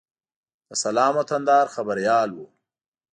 د سلام وطندار خبریال و.